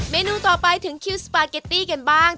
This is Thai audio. นูต่อไปถึงคิวสปาเกตตี้กันบ้าง